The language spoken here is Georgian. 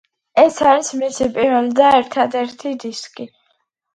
ეს არის მისი პირველი და ერთადერთი დისკი.